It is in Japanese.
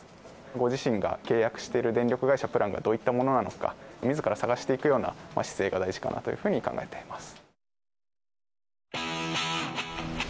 ご自身が契約している電力会社、プランがどういったものなのか、みずから探していくような姿勢が大事かなというふうに考えています。